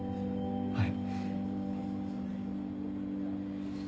はい。